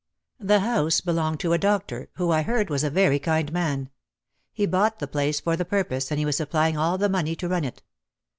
The house belonged to a doctor — who, I heard, was a very kind man. He bought the place for the purpose and he was supplying all the money to run it.